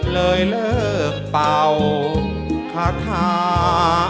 เลยเลิกเป่าคาถา